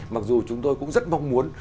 mặc dù chúng tôi cũng rất mong muốn